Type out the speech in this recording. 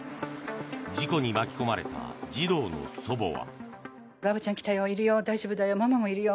事故に巻き込まれた児童の祖母は。